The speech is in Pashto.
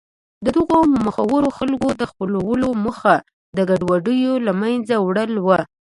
د دغو مخورو خلکو د خپلولو موخه د ګډوډیو له منځه وړل و.